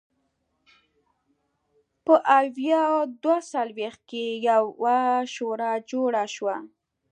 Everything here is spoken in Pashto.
په ویا دوه څلوېښت کې یوه شورا جوړه شوه.